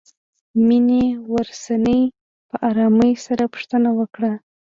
مينې ورڅنې په آرامۍ سره پوښتنه وکړه.